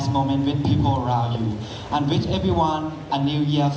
ถือว่าชีวิตที่ผ่านมายังมีความเสียหายแก่ตนและผู้อื่น